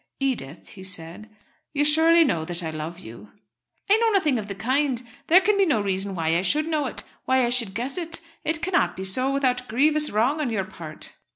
"Edith," he said, "you surely know that I love you." "I know nothing of the kind. There can be no reason why I should know it, why I should guess it. It cannot be so without grievous wrong on your part."